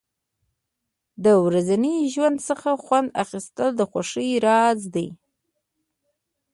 د ورځني ژوند څخه خوند اخیستل د خوښۍ راز دی.